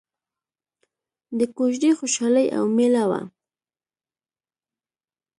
د کوژدې خوشحالي او ميله وه.